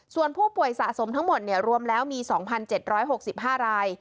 ส่วนผู้ป่วยสะสมทั้งหมดรวมแล้วมี๒๗๖๕ราย